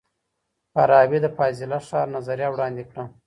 فارابي د فاضله ښار نظریه وړاندې کړه.